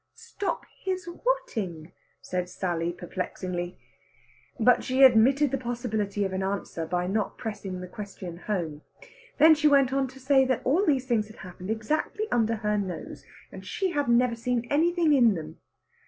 "Stop his whatting?" asked Sally perplexingly. But she admitted the possibility of an answer by not pressing the question home. Then she went on to say that all these things had happened exactly under her nose, and she had never seen anything in them.